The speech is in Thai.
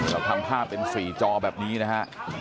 เราทำภาพเป็น๔จอแบบนี้นะฮะ